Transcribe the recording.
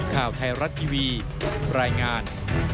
ข่าวไทยรัฐทีวีรายงาน